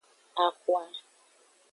Axwa.